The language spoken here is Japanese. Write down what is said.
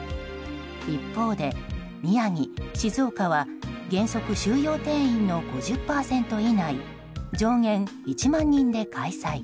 一方で宮城、静岡は原則、収容定員の５０％以内上限１万人で開催。